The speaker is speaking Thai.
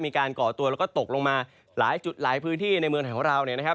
ก่อตัวแล้วก็ตกลงมาหลายจุดหลายพื้นที่ในเมืองไทยของเราเนี่ยนะครับ